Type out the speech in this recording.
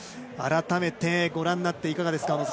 改めてご覧になっていかがですか。